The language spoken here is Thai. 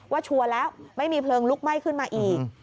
ชัวร์แล้วไม่มีเพลิงลุกไหม้ขึ้นมาอีก